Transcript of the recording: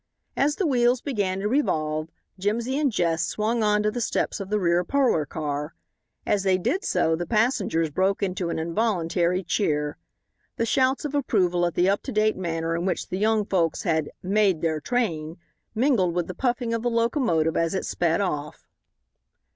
As the wheels began to revolve, Jimsy and Jess swung on to the steps of the rear parlor car. As they did so the passengers broke into an involuntary cheer. The shouts of approval at the up to date manner in which the young folks had "made their train," mingled with the puffing of the locomotive as it sped off.